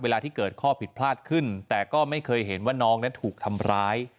ที่เกิดข้อผิดพลาดขึ้นแต่ก็ไม่เคยเห็นว่าน้องนั้นถูกทำร้าย